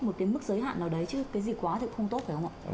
một cái mức giới hạn nào đấy chứ cái gì quá thì cũng không tốt phải không ạ